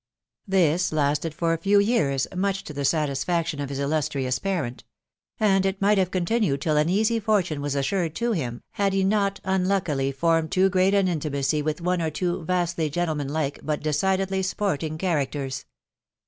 This lasted for a few years, much to the satisfaction of his illustrious parent; and it might have continued till an easy fortune was assured to him, had he not unluckily formed too great an intimacy with one or two vastly gentlemanlike but decidedly sporting characters.